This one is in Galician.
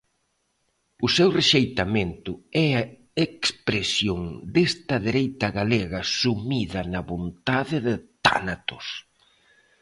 O seu rexeitamento é a expresión desta dereita galega sumida na vontade de Tánatos.